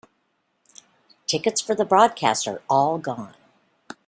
Tickets for the broadcast are all gone.